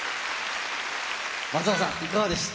松岡さん、いかがでした？